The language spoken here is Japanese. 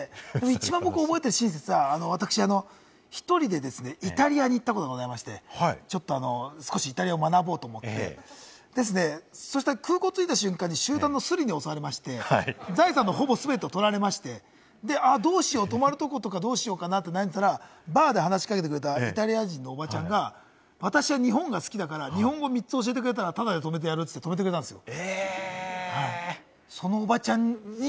一番覚えてるのは、私１人でイタリアに行ったことがございまして、ちょっと少しイタリアを学ぼうと思って、空港着いた瞬間に集団のスリに襲われまして、財産のほぼ全てをとられまして、泊まる所とかどうしよう？ってなってたらバーで話しかけてくれたイタリア人のおばちゃんが、私は日本が好きだから、日本語３つ教えてくれたらタダで泊めてやるって、泊めてもらったんですよ。